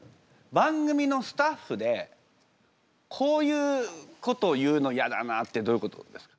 番組のスタッフでこういうこと言うのイヤだなってどういうことですか？